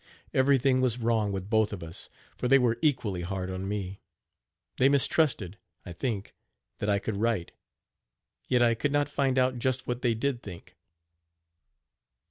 Everything was wrong with both of us, for they were equally hard on me. They mistrusted, I think, that I could write; yet I could not find out just what they did think.